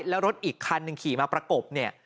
แล้วรถอีกคันหนึ่งขี่มาประกบเนี่ย